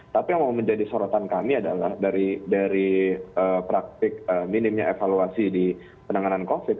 tapi yang mau menjadi sorotan kami adalah dari praktik minimnya evaluasi di penanganan covid